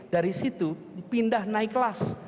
dari situ pindah naik kelas